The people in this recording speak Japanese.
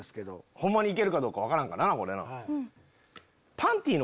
ホンマに行けるかどうか分からんからな俺の。